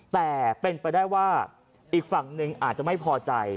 แต่เป็นไปได้ว่าอีกฝั่งหนึ่งอาจจะไม่พอใจ